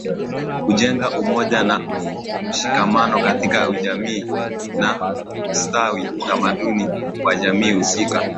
Kujenga umoja na mshikamano katika jamii na Kustawisha utamaduni wa jamii husika